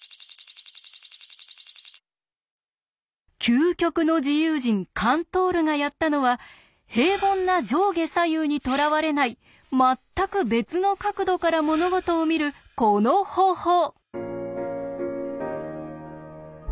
究極の自由人カントールがやったのは平凡な上下左右にとらわれないまったく別の角度から物事を見るこの方法！